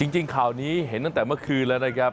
จริงข่าวนี้เห็นตั้งแต่เมื่อคืนแล้วนะครับ